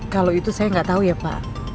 kalau itu saya nggak tahu ya pak